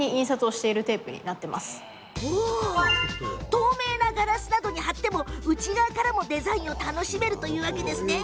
透明なガラスなどに貼っても内側からもデザインを楽しめるというもの。